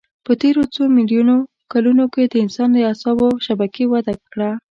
په تېرو څو میلیونو کلونو کې د انسان د اعصابو شبکې وده کړه.